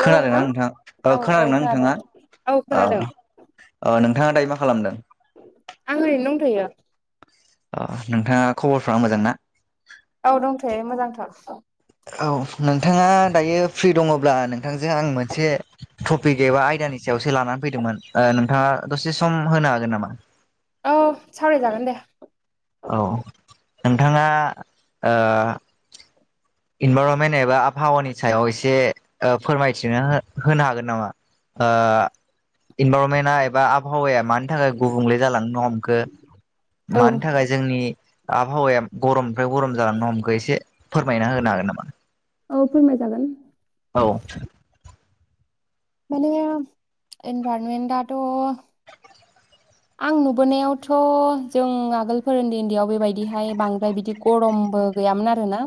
खोनादोंना नोंथां औ ओ औ खोनादोंना खोनादों नोंथाङा औ ओ खोनादों ओ नोंथाङा दायो मा खालामदों? आं ओरैनो दंथयो। ओ नोंथाङा खबरफ्रा मोजां ना? औ दंथो मोजांथार। औ नोंथाङा दायो फ्रि दङब्ला नोंथांजों आं मोनसे टपिक एबा आयदानि सायावसो लानानै फैदोंमोन ओ नोंथाङा दसे सम होनो हागोन नामा? औ सावरायजागोन दे। औ नोंथाङा ओ इनभररनमेन्ट एबा आबहावानि सायाव एसे ओ फोरमायथिनो हो होनो हागोन नामा। ओ इनभरमेन्टआ एबा आबहावाया मा यानि थाखाय गुबुंले जालांनो हमखो औ मानि थाखाय जोंनि आबहावाया गरमनिफ्राय गरम जालां हमखो एसे फोरायना होनो हागोन नामा औ फोरमायजागोन औ माने एनभारमेन्ट आथ' आं नुबोनायावथ' जों आगोल फोरोंन्दै उन्दैयाव बेबायदिहाय बांद्राय बिदि गरमबो गैयामोन आरोना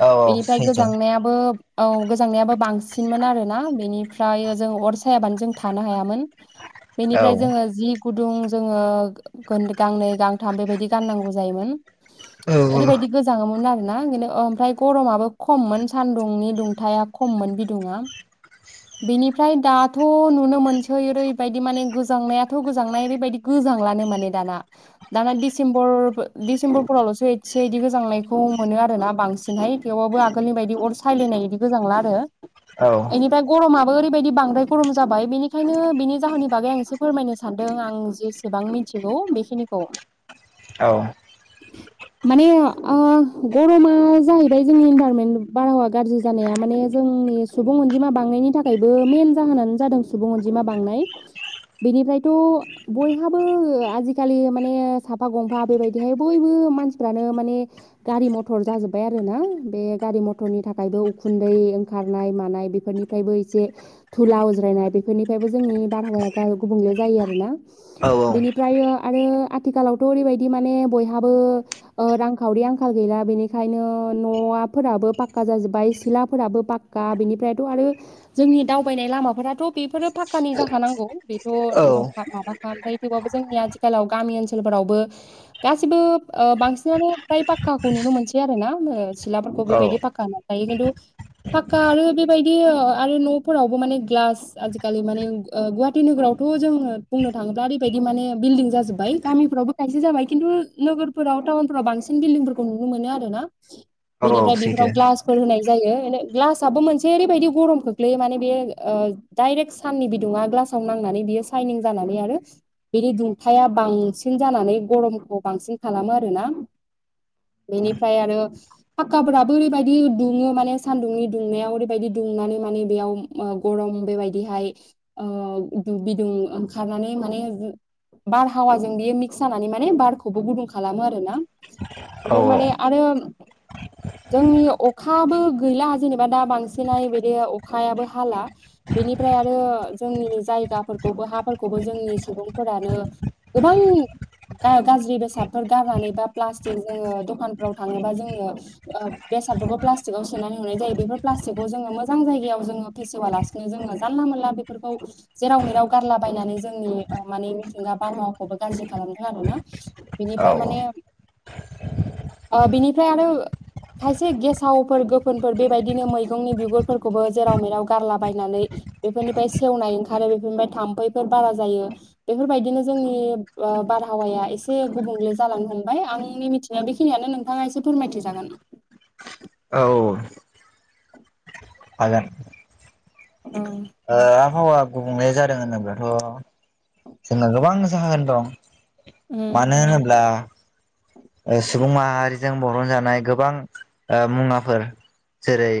औ बेनिफ्राय सैथो गोजांनाया बो औ गोजांनायाबो बांसिनमोन आरोना बेनिफ्राय जों अर सायाबानो जों थानो हायामोन [inaudible] बेनिफ्राय जोङो जि गुदुं जोङो गांनै गांथाम बेबायदि गाननांगौ जायोमोन औ ओरैबायदि गोजाङोमोन आरो ना ओमफ्राय गरमाबो खममोन सान्दुंनि दुंथाया खममोन बिदुङा बेनिफ्राय दाथ' नुनो मोनसै ओरैबायदि माने गोजांनायाथ' गोजांनाय ओरैबायदि गोजांल्लानो माने दाना दाना डिसेम्बर डिसेम्बरफोरावल'सो एदसे इदि गोजांनायखौ मोनो आरो ना बांसिनहाय थेवबाबो आगोलनि बायदि अर सायलायनाय बिदि गोजांला आरो औ गरमाब ओैदिबायदि बांद्राय गरम जाब बेनिखायनो बिनि जाहोननि बागै आं एसे फोरमायनो सान सानदों आं जेसेबां मिथिगौ बेखिनिखौ औ माने ओम गरमा जाहैबाय जोंनि इनभाइरमेन्ट बारहावा गाज्रि जानाया माने जोंनि सुबुं अनजिमा बांनायनि थाखायबो मेन जाहोनानो जादों सुबुं अनजिमा बांनाय बेनिफ्रायथ' बयहाबो ओ आजिखालि माने साफा गंफा बेबायदिहाय बयबो मानसिफ्रानो माने गारि मथर जाजोब्बाय आरो ना बे गारि मथरनि थाखायबो उखुन्दै ओंखारनाय मानाय बेफोरनि बो एसेुलाायनाय बेफोरनिफ्राय जोंनि बाराव गुब जायो आरोना औ बिनिफ्रायो आरो आथिखालावथ' ओरैबायदि माने बयहाबो ओ रांखावरि आंखाल गैला बेनिखायनो न'वाफोराबो पाक्का जाजोब्बाय सिलाफोराबो पाक फका बिनिफ्रायथ' आरो जोंनि दावबायनाय लामाफोराथ' बेफोरो फाखक्कानि जाखाानांगौ बेथ' न माबाख ओमफ्राय थेवबबो जोंनि आथिखालाव गामि ओनसोलफोरावबो गासिबो ओ बांसिनानो फ्राय पाखक्काखौ नुनो मोनसै आरो ना सिलाफोरखौ औ बेबायदि पाखक्क होन नाय खिन्थु फाक्का आरो बेबायदि आरो न'फोरावबो माने ग्लास आजिखालि माने ओ गुाहाटी‌ नोगोराव थ' जोङो बुंनो थाङोब्ला ओरैबायदि माने बिल्डिं जाजोब्बाय गामिफ्रावबो गायसे जाबाय खिन्थु नोगोरफोराव टाउनफोराव बांसिन बिल्डिंफोरखौ नुनो मोनो आरो ना [unintelligible] बेनिफ्राय बेफोराव सैथो ग्लास फोर होनाय जायो ग्लासाबबो मोनसे ओरैबायदि गरम खोख्लैयो माने बे ओ डाइरेक्ट साननि बिदुङा ग्लासाव नांनानै बियो साइनिं जानानै आरो बिनि दुंथाया बांसिन जानानै गरमखौ बांसिन खालामो आरोना बेनिफ्राय आरो फाखक्काफोराबो ओरैबायदि दुङो माने सानदुंनि दुंनायाव ओरैबायदि दुंनानै माने बेयाव आ गरम बेबायदिहाय आ दु बिदुं ओंखारनानै माने बारहावाजों बियो मिक्स जानानै माने बारखौबो गुदुं खालामो आरो ना बेफोर माने आरो जोंनि अखाबो गैला जेनेबा दा बांसिनै बिदि अखायाबो हाला बेनिफ्राय आरो जोंनि जाय गाफोरखौबो हाफोरखौबो जोंनि सुबुंफोरानो गोबां गा गाज्रि बेसादफोर गारनानै बा प्लास्टिक जोङो दखानफ्राव थाङोबा जोङो बेसादबो प्लास्टिकआव सोनानै हनाय जायो बेफोर प्लास्टिकखौ जोङो मोजां जायगायाव जोङो फेसिवाला जोङो जानला मोनला बेफोरखौ जेराव मेराव गारला बायनानै जोंनि माने मिथिंगा बार मावाखौबो गाज्रि खालामदों आरो ना बिनिफ्राय माने आ बिनिफ्राय आरो खायसे गेसावफोर गोफोनफोर बेबायदिनो मैगंनि बिगुरफोरखौबो जेराव मेराव गारलाबायनानै बेफोरनिफ्राय सेवनाय ओंखारो बेफोरनिफ्राय थाम्फैफोर बारा जायो बेफोरबायदिनो जोंनि आ बारहावाया एसे गुबुंले जालांनो हमबाय आंनि मिथि बेखिनियानो नोंथाङा एसे फोरमायथि जागोन औ हागोन औ आ आबहावा गुबुंले जादों होनोब्लाथ' जोंना गोबां जाहागोन दं मानो होनोब्ला अ सुबुं माहारिजों बरनजानाय गोबां मुवाफोर जेरै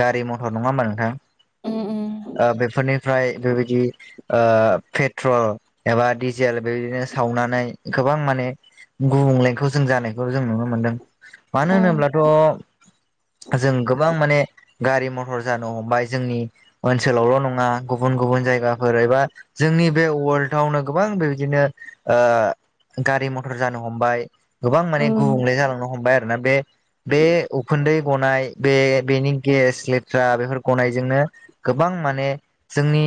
गारि मथर नङा होमा नोंथां आ बेफोरनिफ्राय बेबायदि आ पेट्रल एबा डिजेल बेबायदिनो सावनानै गोबां माने गुबुंलेखौ जों जानायखौ जों नुनो मोनदों मानो होनोब्लाथ' जों गोबां माने गारि मथर जानो हमबाय जोंनि ओनसोलावल' नङा गुबुन गुबुन जायगाफोर एबा जोंनि बे वार्ल्डआवनो गोबां बेबायदिनो गारि मथर जानो हमबाय गोबां माने गुबुंले जालांनो हमबाय आरो ना बे बे उखुन्दै गनाय बे बेनि गेस लेथ्रा बेफोर गनायजोंनो गोबां माने जोंनि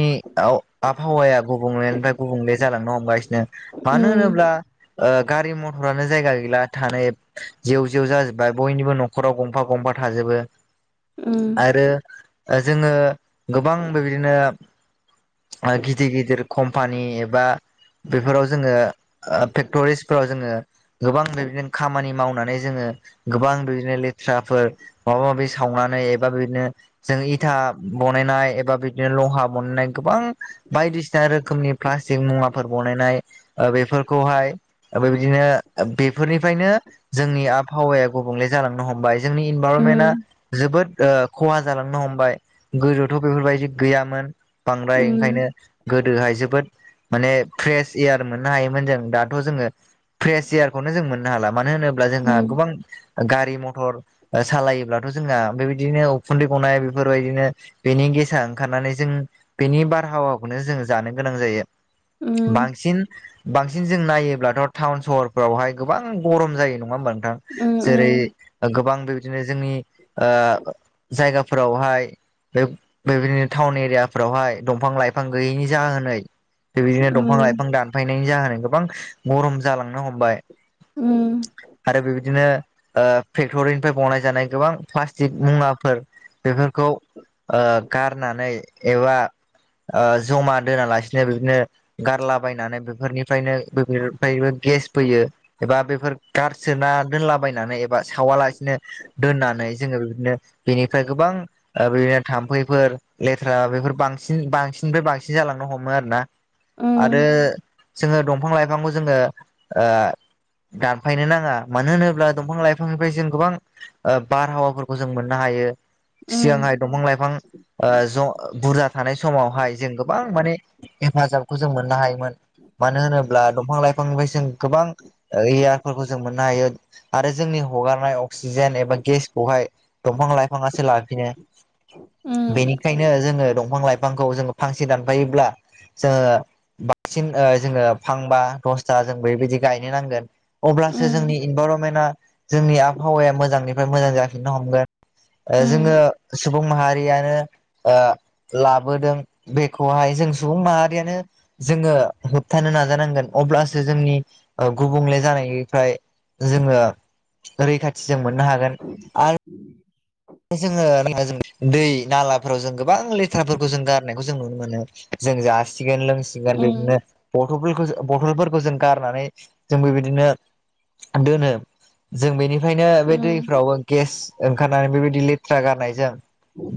आबहावाया गुबुंलेनिफ्राय गुबुंले जालांनो हमगासिनो मानो होनोब्ला गारि मथरानो जायगा गैला थानो जेव जेव जाजोबबाय बयनिबो न'खराव गंफा गंफा थाजोबो आरो जोङो गोबां बेबायदिनो गिदिर गिदिर कम्पानि एबा बेफोराव जोङो फेक्ट'रिसफोराव जोङो गोबां बिबायदिनो खामानि मावनानै जोङो गोबां बिदिनो लेथ्राफोर माबा माबि सावनानै एबा बिदिनो जों इथा बनायनाय एबा बिदिनो लहा बनायनाय गोबां बायदिसिना रोखोमनि प्लास्टिक मुवाफोर बनायनाय बेफोरखौहाय बेबायदिनो बेफोरनिफ्रायनो जोंनि आबहावाया गुबुंले जालांनो हमबाय जोंनि इनभाररनमेन्टआ जोबोद खहा जालांनो हमबाय गोदोथ' बेफोरबायदि गैयामोन। बांद्राय ओंखायनो गो दोहाय जोबोद माने फ्रेश एयार मोननो हायोमोन जों दाथ' जोङो। सियारखौनो जों मोननो हाला मानो होनोब्ला जोंहा गोबां गारि मथर सालायोब्लाथ' जोंहा बेबायदिनो उखुन्दै गनाय बेफोरबायदिनो बेनि गेसा ओंखारनानै जों बेनि बारहावाखौनो जों जानो गोनां जायो। बांसिन बांसिन जों नायोब्लाथ' टाउन सहर बावहाय गोबां गरम जायो नङा होमबा नोंथां जेरै गोबां बे बिदिनो जोंनि जायगाफोरावहाय बेबायदिनो टाउन एरिया फ्रावहाय दंफां लाइफां गैयैनि जाहोनै बेबायदिनो दंफां लाइफां दान फायनायनि जाहोनाव गोबां गरम जालांनो हमबाय आरो बेबायदिनो फेक्टरिनिफ्राय बावनाय जानाय गोबां प्लास्टिक मुवाफोर बेफोरखौ गारनानै एबा जमा दोना लासिनो बिदिनो गारलाबायायनानै बेफोरनिफ्रायनो बेफोरफ्रायबो गेस फैयो एबा बेफोर गारसोना दोनलाबायनानै एबा सावालासे बिदिनो दोननानै जोङो बिदिनो बेनिफ्राय गोबां बिदिनो थाम्फैफोर लेथ्रा बेफोर बांसिन बांसिननिफ्राय बांसिन जालांनो हमो आर ना आरो जोङो दंफां लाइफांखौ जोङो दानफायनो नाङा मानो होनोब्ला दंफां लाइफांनिफ्राय जों गोबां बारहावाफोरखौ जों मोननो हायो। सिगांहाय दंफां लाइफां ज' बुरजा थानाय समावहाय जों गोबां माने हेफाजाबखौ जों मोननो हायोमोन मानो होनोब्ला दंफां लाइफांनिफ्राय जों गोबां इयारफोरखौ जों मोननो हायो। आरो जोंनि हगारनाय अक्सिजेन एबा गेसखौहाय दंफां लाइफाङासो लाफिनो बेनिखायनो जोङो दंफां लाइफांखौ जोङो फांसे दानफायोब्ला जोङो बांसिन जोङो फांबा दसथा जों बेबायदि गायनो नांगोन अब्लासो जोंनि इनभाररनमेन्टआ जोंनि आबहावाया मोजांनिफ्राय मोजां जाफिननो हमगोन जोङो सुबुं माहारियानो लाबोदों बेखौहाय जों सुबुं माहारियानो जोङो होबथानो नाजानांगोन अब्लासो जोंनि गुबुंले जानायनिफ्राय जोङो रैखाथि जों मोननो हागोन। आरो जोङो ज दै नालाफोराव जों गोबां लेथ्राफोरखौ जों गारनायखौ जों नुनो मोनो। जों जासिगोन लोंसिगोन बिदिनो ब बफोलखो बथलफोरखौ जों गारनानै जोंबो बिदिनो दोनो जों बेनि ओंखायनो बे दैफ्राव गेस ओंखारनानै बेबायदि लेथ्रा गारनायजों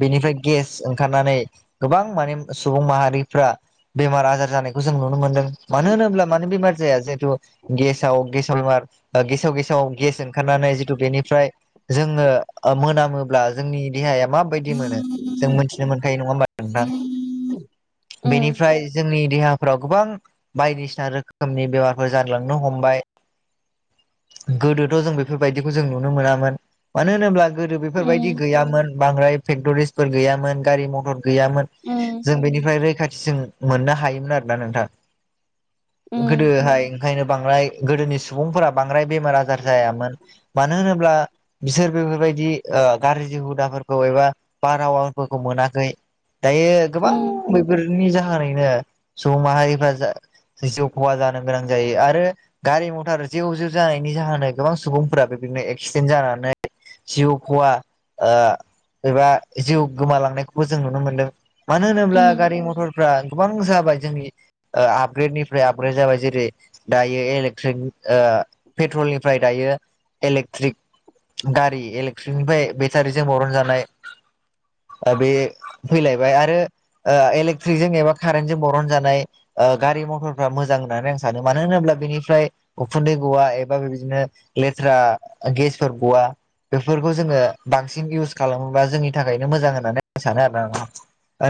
बेनिफ्राय गेस ओंखारनानै गोबां माने सुबुं माहारिफ्रा बेमार आजार जानायखौ जों नुनो मोन्दों मान होनोमब्ला मानो बेमार जाया जिहेथु गेसाव गेसाव बेमार गेसाव गेसाव गेस ओंखारनानै जितु बेनिफ्राय जोङो ओ मोनामोब्ला जोंनि देहाया माबायदि मोनो जों उम मोनथिनो मोनखायो नङा होमबा नोंथां उम उम बेनिफ्राय जोंनि देहा फोराव गोबां बायदिसिना रोखोमनि बेमारफोर जालांनो हमबाय गोदोथ' जों बेफोरबायदिखौ जों नुनो मोनामोन। मानो होनोब्ला गो बेफोरबायदि गैयामोन बांद्राय फेक्ट'रिसफोर गैयामोन गारि मटर गैयामोन उम जों बेनिफ्राय रैखाथि जों मोननो हायोमोन आरोना नोंथां। उम गोदोहाय ओंखायनो बांद्राय गोदोनि सुबुंफोरा बांद्राय बेमार आजार जायामोन। मानो होनोब्ला बिसोर बेफोरबायदि ओ गाज्रि हुदाफोरखौ एबा बारहावाफोरखौ मोनाखै दायो गोबां उम बेैफोरनि जाहोनैनो सुबुं माहारिफ्रा जा जिउ खहा जानो गोनां जायो आरो गारि मटरजे जेव-जेव जानायनि जाहोनाव गोबां सुबुंफोरा बेबायदिनो एक्सिडेन्ट जानानै जिउ खवा ओ एबा जिउ गोमालांनायखौबो जों नुनो मोनदों मानो होनोब्ला उम गारि मथटरफ्रा गोबां जाबाय जोंनि ओ आपग्रेडनिफ्राय आपग्रेड जाबाय जेरै दायो इलेक्ट्रिक ओ पेट्रलनिफ्राय दायो इलेक्ट्रिक गारि इलेक्ट्रिकनिफ्राय बेटारिजों बरन जानाय ओ बे फैलायबाय आरो ओ इलेक्ट्रिकजों एबा कारेन्टजों बरन जानाय ओ गारि मटरफ्रा मोजां होननानै आं सानो। मानो होनोब्ला बेनिफ्राय उखुन्दै गवा एबा बेबायदिनो लेथ्रा गेसफोर गवा बेफोरखौ जोङो बांसिन इउस खालामोबा जोंनि थाखायनो मोजां होननानै आं सानो आरो ना।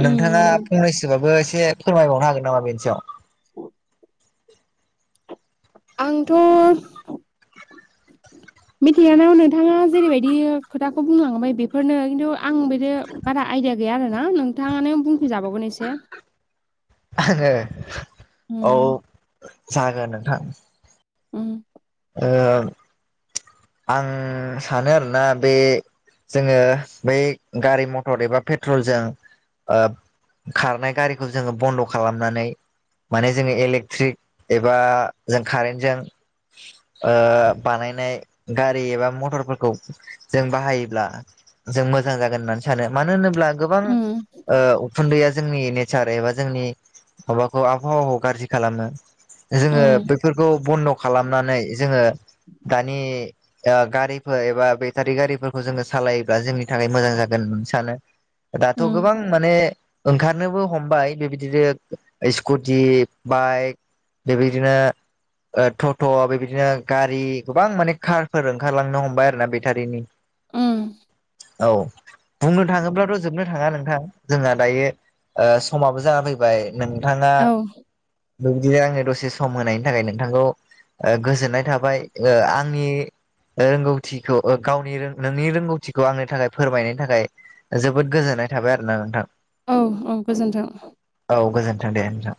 नोंथाङा नंगौ फंनैसोबाबो एसे फोरमायबावनो हागोन नामा बेनि सायाव [inaudible] आंथ' मिथियानाव नोंथाङा जेरैबायदि खोथाखौ बुंलाबाय बेफोरनो खिन्थु आं बिदि बारा आइडिया गैया आरोना नोंथाङानो बुंफिजाबावगोन एसे - औ उम जागोन नोंथां। उम ओ आं सानो आरोना बे जोङो बै गारि मटर एबा पेट्रलजों ओ खारनाय गारिखौ जोङो बन्द' खालामनानै माने जोङो इलेक्ट्रिक एबा जों कारेन्टजों ओ बानायनाय गारि एबा मथरफोरखौ जों बाहायोब्ला जों मोजां जागोन होननानै सानो। मानो होनोब्ला गोबां उम ओ उखुन्दैया जोंनि नेचार एबा जोंनि माबाखौ आबहावाखौ गाज्रि खालामो जोङो उम बेफोरखौ बन्द' खालामनानै जोङो दानि ओ गारिफोर एबा बेटारि गारिफोरखौ जोङो सालायोब्ला जोंनि थाखाय मोजां जागोन होननानै सानो दाथ' उम गोबां माने ओंखारनोबो हमबाय बेबायदिनो स्कुटि, बाइक बेबायदिनो ओ त थ' बेबायदिनो गारि गोबां माने कारफोर ओंखारलांनो हमबाय आरो ना बेटारिनि उम औ बुंनो थाङोब्लाथ' जोबनो थाङा नोंथां जोंहा दायो समाबो जाना फैबाय नोंथाङा औ बेदिनो आङो दसे सम होनायनि थाखाय नोंथांखौ ओ गोजोननाय थाबाय आंनि रोंगौथिखौ गावनि नोंनि रोंगौथिखौ आंनि थाखाय फोरमायनायनि थाखाय जोबोद गोजोननाय थाबाय आरो ना नोंथां औ औ गोजोन्थों औ गोजोन्थों दे नोंथां-